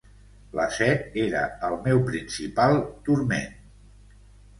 La set era el meu principal turment.